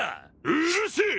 うるせえ！